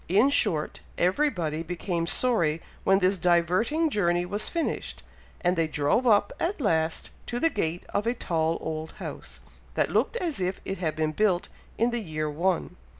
In short, everybody became sorry when this diverting journey was finished, and they drove up, at last, to the gate of a tall old house, that looked as if it had been built in the year one.